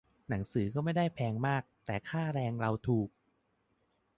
หนังสือก็ไม่ได้แพงมาก แต่ค่าแรงเราถูก